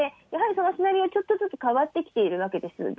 やはりそのシナリオ、ちょっとずつ変わってきているわけです。